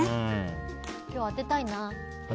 今日、当てたいな。